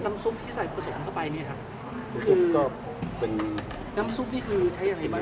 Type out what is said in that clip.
น้ำซุปที่ใส่ผสกเข้าไปนี่คือน้ำซุปนี้ใช้อะไรบ้าง